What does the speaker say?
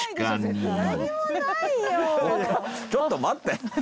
ちょっと待って。